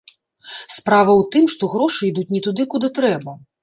Справа ў тым, што грошы ідуць не туды, куды трэба.